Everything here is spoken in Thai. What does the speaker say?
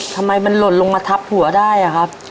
ทำไมมันหล่นลงมาทับหัวได้อะครับ